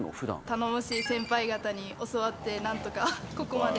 頼もしい先輩方に教わって何とかここまで。